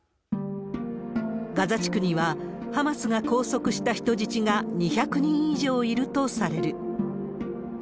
ガザ地区には、ハマスが拘束した人質が２００人以上いるとされる。